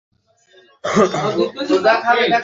সমস্যা আমার শার্টে, এটায় ডিনার রক্ত লেগে আছে!